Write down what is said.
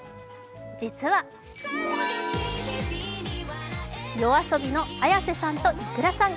実はＹＯＡＳＯＢＩのＡｙａｓｅさんとｉｋｕｒａさん。